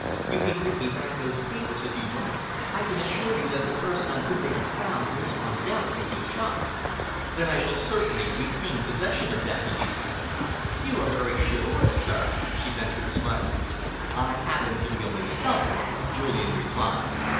You can give me back those papers, if you like. I can assure you that the person on whom they are found will undoubtedly be shot." "Then I shall certainly retain possession of them," he decided. "You are very chivalrous, sir," she ventured, smiling. "I happen to be only selfish," Julian replied.